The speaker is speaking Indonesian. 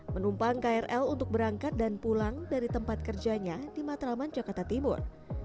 menumpang krl untuk berangkat dan pulang dari tempat kerjanya di matraman jakarta timur